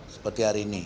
seperti hari ini